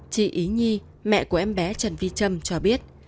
chị ý nhi mẹ của em bé trần vi trâm cho biết